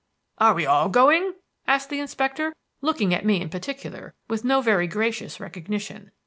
"Are we all going?" asked the inspector, looking at me in particular with no very gracious recognition.